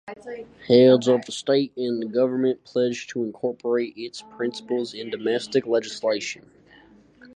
Heads of State and Government pledged to incorporate its principles in domestic legislation.